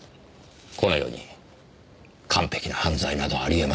この世に完璧な犯罪などありえません。